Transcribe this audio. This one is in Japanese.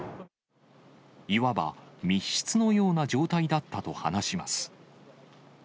いわば密室のような状態だったと話します。